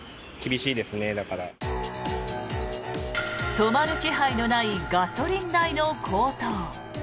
止まる気配のないガソリン代の高騰。